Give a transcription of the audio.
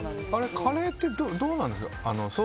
カレーってどうなんだろう。